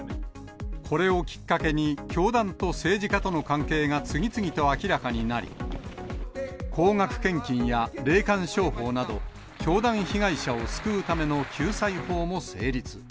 これをきっかけに、教団と政治家との関係が次々と明らかになり、高額献金や霊感商法など、教団被害者を救うための救済法も成立。